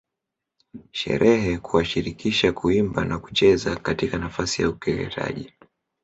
Sherehe kuwashirikisha kuimba na kucheza katika nafasi ya ukeketaji